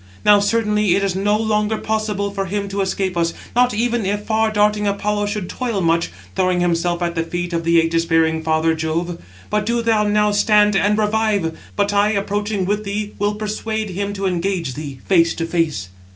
Now, certainly, it is no longer possible for him to escape us, not even if far darting Apollo should toil much, throwing himself at the feet of the ægis bearing father Jove. But do thou now stand and revive; but I, approaching with thee, will persuade him to engage thee face to face."